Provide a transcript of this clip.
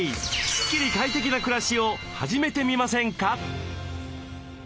スッキリ快適な暮らしを始めてみませんか？